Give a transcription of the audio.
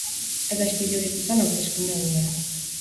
Ez da istilurik izan hauteskunde-egunean.